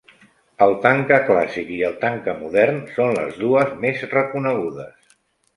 El tanca clàssic i el tanca modern són les dues més reconegudes.